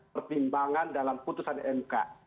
pertimbangan dalam putusan mk